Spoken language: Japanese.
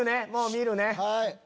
もう見るね。